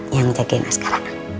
yang jagain askar